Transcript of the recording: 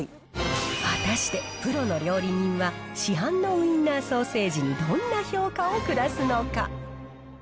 果たして、プロの料理人は市販のウインナーソーセージにどんな評価を下すのか。